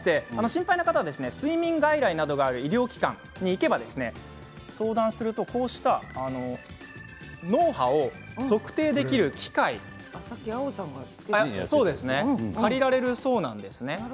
心配な方は睡眠外来がある医療機関に行けば相談すればこうした脳波を測定できる機械が借りられるそうなんですね。